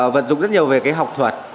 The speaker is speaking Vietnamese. vật dụng rất nhiều về cái học thuật